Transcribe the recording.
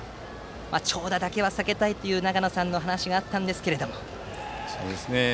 長打だけは避けたいという長野さんの話があったんですが。